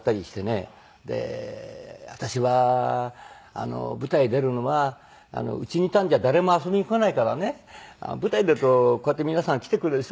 で「私は舞台出るのはうちにいたんじゃ誰も遊びに来ないからね舞台出るとこうやって皆さん来てくれるでしょ？」